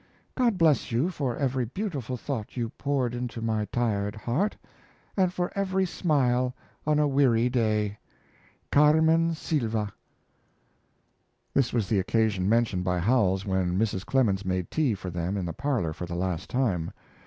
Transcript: God bless you for every beautiful thought you poured into my tired heart, and for every smile on a weary way. CARMEN SYLVA. This was the occasion mentioned by Howells when Mrs. Clemens made tea for them in the parlor for the last time.